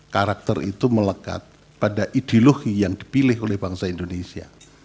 karakter itu melekat pada ideologi yang dipilih oleh bangsa indonesia